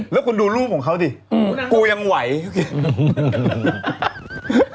แล้วคุณดูรูปของเขาสิกูยังไหวโอเค